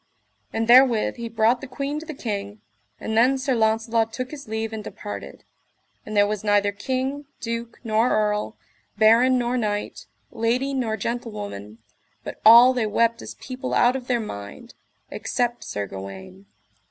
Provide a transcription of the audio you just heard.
And therewith he brought the queen to the king, and then Sir Launcelot took his leave and departed; and there was neither king, duke, nor earl, baron nor knight, lady nor gentlewoman, but all they wept as people out of their mind, except Sir Gawaine.